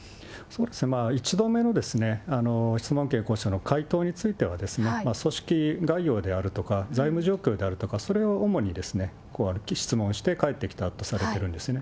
１度目の質問権行使の回答については、組織概要であるとか、財務状況であるとか、それを主に質問して、返ってきたとされているんですね。